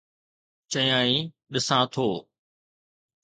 چيائين: ڏسان ٿو.